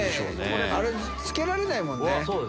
つけられないもんね。